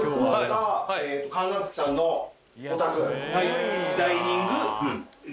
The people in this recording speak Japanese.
はい。